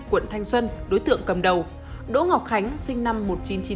quận thanh xuân đối tượng cầm đầu đỗ ngọc khánh sinh năm một nghìn chín trăm chín mươi